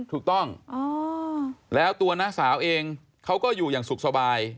ถูกต้องแล้วตัวน้าสาวเองเขาก็อยู่อย่างสุขสบาย